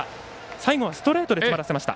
最後はストレートで詰まらせました。